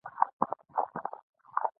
ملکه ویکتوریا د هند ملکه شوه.